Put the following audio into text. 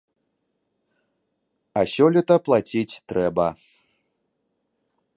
А сёлета плаціць трэба.